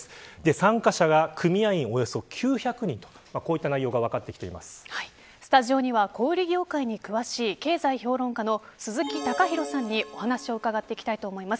参加者は組合員およそ９００人という内容がスタジオには小売業界に詳しい経済評論家の鈴木貴博さんにお話を伺っていきます。